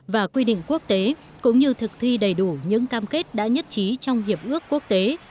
và quy định quốc tế cũng như thực thi đầy đủ những cam kết đã nhất trí trong hiệp ước quốc tế